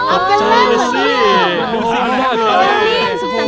อ้าวเจอสิคุณสิ่งแรกเลยสวัสดีคุณสวัสดีคุณ